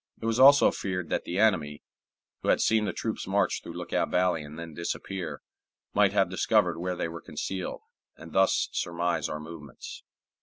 It was also feared that the enemy, who had seen the troops march through Lookout Valley and then disappear, might have discovered where they were concealed, and thus surmise our movements.